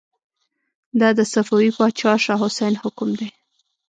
دا د صفوي پاچا شاه حسين حکم دی.